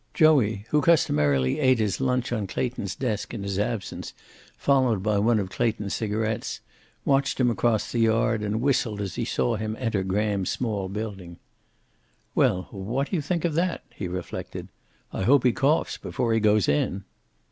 Joey, who customarily ate his luncheon on Clayton's desk in his absence, followed by one of Clayton's cigarets, watched him across the yard, and whistled as he saw him enter Graham's small building. "Well, what do you think of that?" he reflected. "I hope he coughs before he goes in."